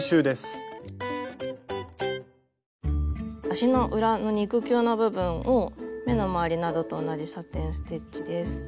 足の裏の肉球の部分を目の周りなどと同じサテン・ステッチです。